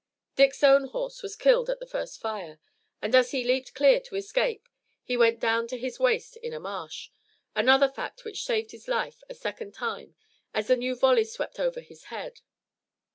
Dick's own horse was killed at the first fire, and as he leaped clear to escape he went down to his waist in a marsh, another fact which saved his life a second time as the new volleys swept over his head.